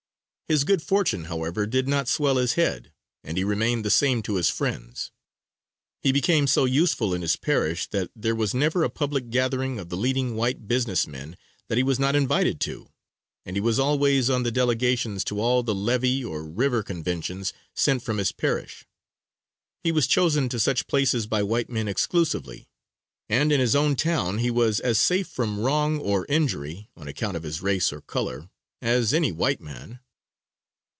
His good fortune, however, did not swell his head and he remained the same to his friends. He became so useful in his parish that there was never a public gathering of the leading white business men that he was not invited to it, and he was always on the delegations to all the levee or river conventions sent from his parish. He was chosen to such places by white men exclusively; and in his own town he was as safe from wrong or injury, on account of his race or color, as any white man.